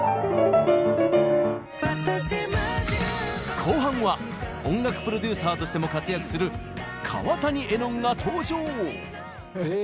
後半は音楽プロデューサーとしても活躍する川谷絵音が登場！